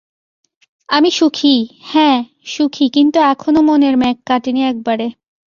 আমি সুখী, হ্যাঁ, সুখী, কিন্তু এখনও মনের মেঘ কাটেনি একেবারে।